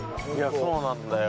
そうなんだよ。